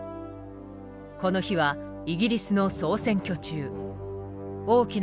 この日はイギリスの総選挙中。